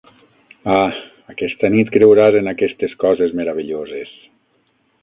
Ah, aquesta nit creuràs en aquestes coses meravelloses!